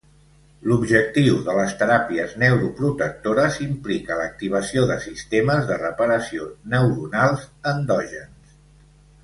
L'objectiu de les teràpies neuroprotectores implica l'activació de sistemes de reparació neuronals endògens.